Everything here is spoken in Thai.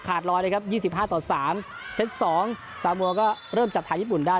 ขาดรอยนะครับยี่สิบห้าต่อสามเซ็ตสองซาบัวก็เริ่มจับถ่ายญี่ปุ่นได้